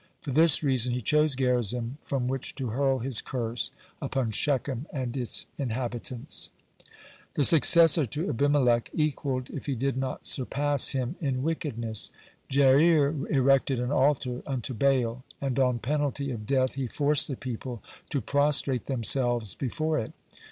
For this reason he chose Gerizim from which to hurl his curse upon Shechem and it inhabitants. (103) The successor to Abimelech equalled, if he did not surpass, him in wickedness. Jair erected an altar unto Baal, and on penalty of death he forced the people to prostrate themselves before it.